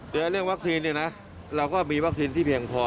เดี๋ยวเรื่องวัคซีนเนี่ยนะเราก็มีวัคซีนที่เพียงพอ